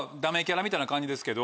みたいな感じですけど。